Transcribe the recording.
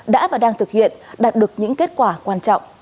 đã và đang thực hiện đạt được những kết quả quan trọng